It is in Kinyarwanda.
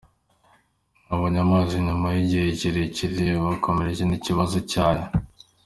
Babonye amazi nyuma y’igihe kirekire bakomerewe n’ikibazo cyayo